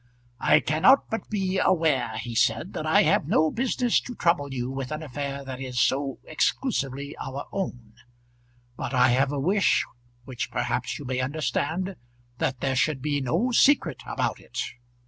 "I cannot but be aware," he said, "that I have no business to trouble you with an affair that is so exclusively our own; but I have a wish, which perhaps you may understand, that there should be no secret about it.